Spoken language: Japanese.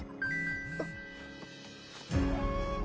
あっ。